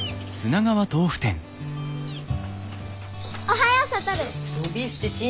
おはよう智！